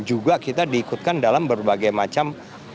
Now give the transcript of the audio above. juga kita diikutkan dalam berbagai macam